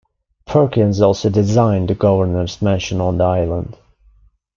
Perkins also designed the Governors Mansion on the island.